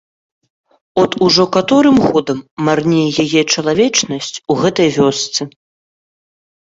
От ужо каторым годам марнее яе чалавечнасць у гэтай вёсцы.